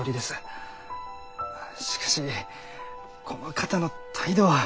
しかしこの方の態度は。